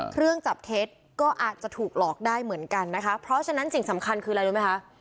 เครื่องจับเท็จก็อาจจะถูกหลอกได้เหมือนกันนะคะเพราะฉะนั้นสิ่งสำคัญคืออะไรรู้ไหมคะ